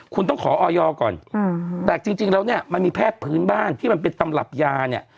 คุณต้องขอออยก่อนแต่จริงแล้วเนี่ยมันมีแพทย์พื้นบ้านที่มันเป็นตำรับยาเนี่ย